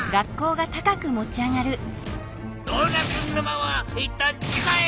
ドーナツ沼はいったんちかへ！